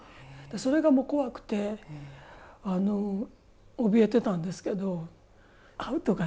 それが怖くておびえてたんですけど。